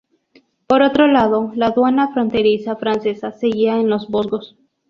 Por otro lado, la aduana fronteriza francesa seguía en los Vosgos.